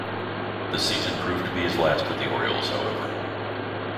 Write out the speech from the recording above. The season proved to be his last with the Orioles, however.